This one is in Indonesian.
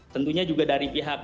tentunya juga dari pihak